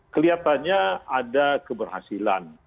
kelihatannya ada keberhasilan